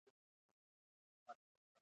احمد د ماشوم زوی سره ډېره مینه کوي.